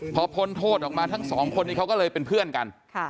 พอพ้นโทษออกมาทั้งสองคนนี้เขาก็เลยเป็นเพื่อนกัน